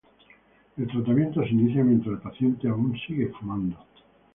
El tratamiento se inicia mientras el paciente aún sigue fumando.